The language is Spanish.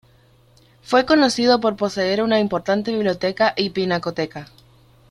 Fue conocido por poseer una importante biblioteca y pinacoteca.